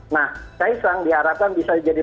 nah kaisang diharapkan bisa jadi